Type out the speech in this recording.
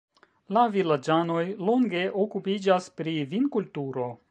La vilaĝanoj longe okupiĝas pri vinkulturo.